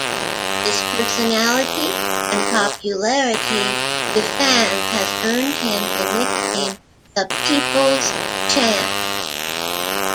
His personality and popularity with fans has earned him the nickname "The People's Champ"